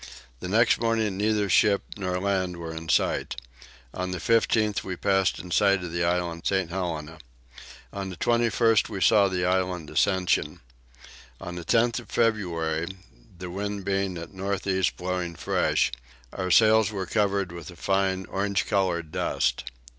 The next morning neither ship nor land were in sight. On the 15th we passed in sight of the island St. Helena. The 21st we saw the island Ascension. On the 10th of February, the wind being at north east blowing fresh, our sails were covered with a fine orange coloured dust.